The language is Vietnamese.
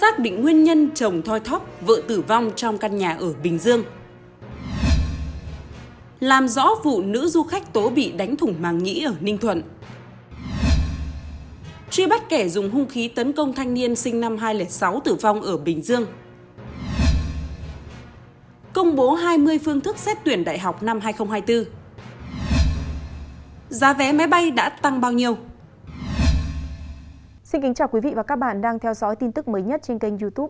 các bạn hãy đăng ký kênh để ủng hộ kênh của chúng mình nhé